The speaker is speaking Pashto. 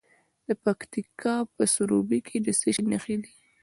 د پکتیکا په سروبي کې د څه شي نښې دي؟